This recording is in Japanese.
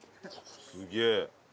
すげえ。